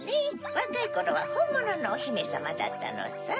わかいころはほんもののおひめさまだったのさ。